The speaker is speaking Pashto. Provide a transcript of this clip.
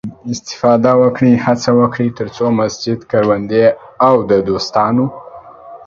استفاده وکړئ، هڅه وکړئ، تر څو مسجد، کروندې او د دوستانو